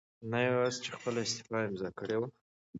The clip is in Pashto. نه یواځې چې خپله استعفاء امضا کړې وه